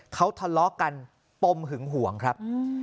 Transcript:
เขาทะเลาะกันปมหึงห่วงครับ